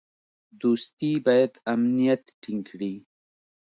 دوستي باید امنیت ټینګ کړي.